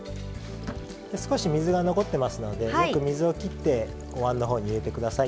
少し水が残ってますのでよく水をきっておわんのほうに入れて下さい。